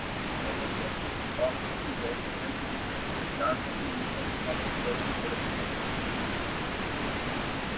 দলে তিনি মূলতঃ বামহাতি ব্যাটসম্যানরূপে ডানহাতি মিডিয়াম-ফাস্ট বোলিং করে থাকেন।